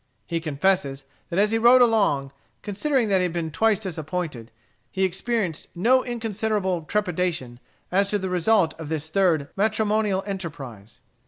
He confesses that as he rode along, considering that he had been twice disappointed, he experienced no inconsiderable trepidation as to the result of this third matrimonial enterprise.